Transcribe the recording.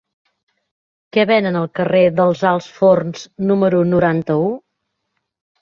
Què venen al carrer dels Alts Forns número noranta-u?